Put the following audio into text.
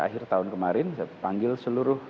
akhir tahun kemarin saya panggil seluruh